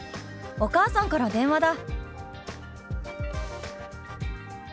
お母さんから電話だ」。